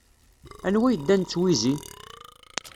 Anwa yeddan d twizi?